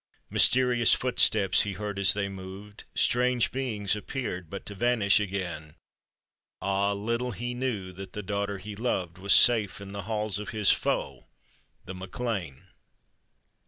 Mysterious footsteps he heard as they moved, Strange beings appeared but to vanish again ; Ah ! little he knew that the daughter he loved Was safe in the halls of his foe, the Mac Lean !